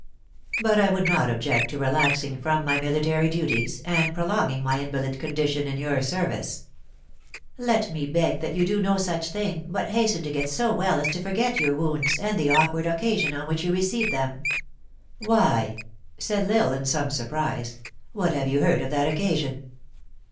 "But I would not object to relaxing from my mili tary duties, and prolonging my invalid condition in your service." " Let me beg that you do no such thing, but hasten THE ACTEESS IN HIGH LIFE. 53 to get so well as to forget your wounds, and the awk ward occasion on which you received them." " Why," said L Isle, in some surprise, " what have you heard of that occasion